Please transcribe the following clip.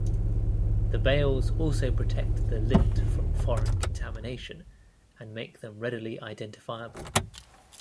The bales also protect the lint from foreign contamination and make them readily identifiable.